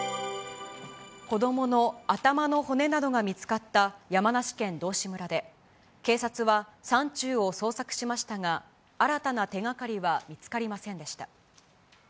子どもの頭の骨などが見つかった山梨県道志村で、警察は山中を捜索しましたが、新たな手がかりは見つかりませんでした。